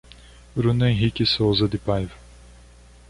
Bruno Henrique Souza de Paiva